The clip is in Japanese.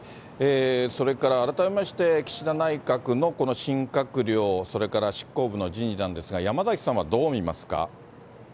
それから改めまして、岸田内閣のこの新閣僚、それから執行部の人事なんですが、山崎さんはどう見ますか。